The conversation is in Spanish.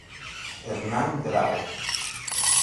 Hernán Drago.